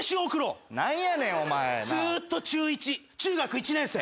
ずっと中一中学１年生。